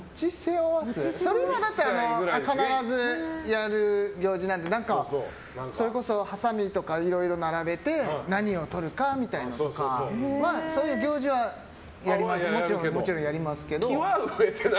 それは必ずやる行事なんでそれこそはさみとかをいろいろ並べて何をとるかみたいなのとかそういう行事は木は植えてない？